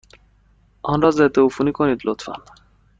آن را ضدعفونی کنید، لطفا.